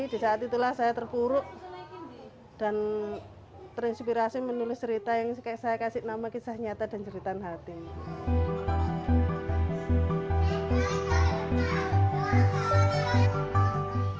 di saat itulah saya terpuruk dan terinspirasi menulis cerita yang saya kasih nama kisah nyata dan jeritan hati